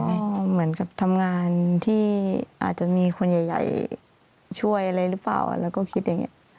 เหมือนกับทำงานที่อาจจะมีคนใหญ่ช่วยอะไรหรือเปล่าแล้วก็คิดอย่างนี้